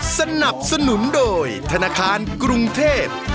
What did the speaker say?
สนับสนุนโดยธนาคารกรุงเทพ